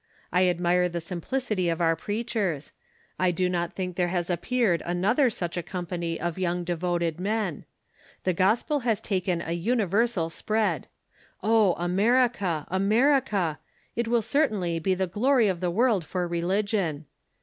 ... I admire the simplicity of our preachers. I do not think there has appeared another such a company of young devoted men. The gospel has taken a universal spread, ... O America, America ! It will certainly be the glory of the world for religion."